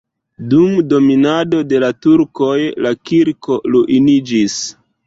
Dum dominado de la turkoj la kirko ruiniĝis.